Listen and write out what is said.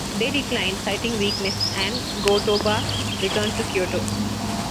They declined, citing weakness, and Go-Toba returned to Kyoto.